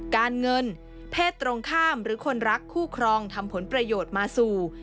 การเงินเพศตรงข้ามหรือคนรักคู่ครองทำผลประโยชน์มาสู่